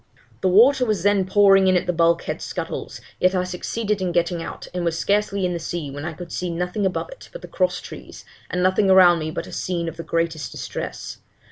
The water was then pouring in at the bulk head scuttles, yet I succeeded in getting out, and was scarcely in the sea when I could see nothing above it but the cross trees, and nothing around me but a scene of the greatest distress.